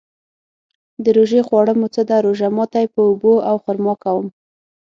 د روژې خواړه مو څه ده؟ روژه ماتی په اوبو او خرما کوم